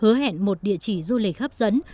hứa hẹn một địa chỉ du lịch hấp dẫn